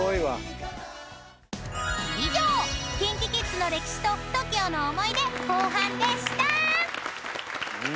［以上ＫｉｎＫｉＫｉｄｓの歴史とＴＯＫＩＯの思い出後半でした］